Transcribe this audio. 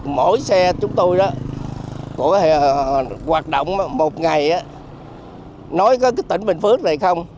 mỗi xe chúng tôi đó của hoạt động một ngày nói có cái tỉnh bình phước này không